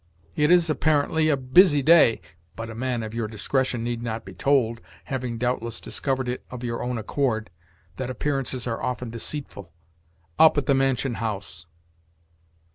It is, apparently a busy day (but a man of your discretion need not be told [having, doubtless, discovered it of your own accord], that appearances are often deceitful) up at the mansion house."